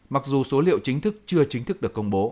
mặc dù số liệu chính thức chưa chính thức được công bố